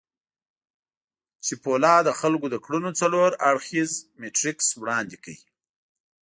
چیپولا د خلکو د کړنو څلور اړخييز میټریکس وړاندې کړ.